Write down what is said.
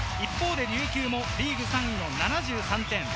一方琉球、リーグ３位の７３点。